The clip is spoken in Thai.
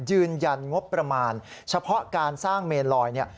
ยืนยันงบประมาณเฉพาะการสร้างเมนลอยเนี่ย